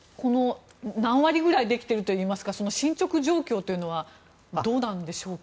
何割ぐらいできているといいますか進ちょく状況というのはどうなんでしょうか？